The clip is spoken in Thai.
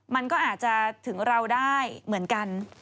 มันก็อาจจะถึงเราได้เหมือนกัน